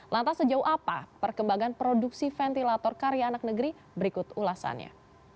lantas sejauh apa perkembangan produksi ventilator karya anak negeri berikut ulasannya